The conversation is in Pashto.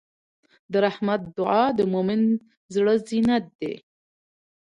د رحمت دعا د مؤمن زړۀ زینت دی.